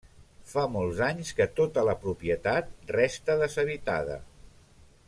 Fa molts anys que tota la propietat resta deshabitada.